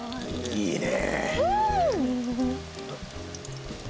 いいね！